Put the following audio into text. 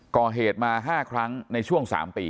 ก่อเหตุมา๕ครั้งในช่วง๓ปี